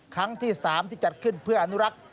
ครั้งที่๓ที่จัดขึ้นเพื่ออนุรักษ์